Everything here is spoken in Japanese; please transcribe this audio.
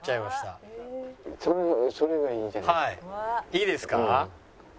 いいですか？